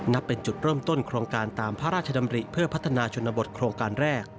นับเป็นจุดเริ่มต้นโครงการตามพระราชดำริเพื่อพัฒนาชนบทโครงการแรก